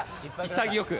潔く。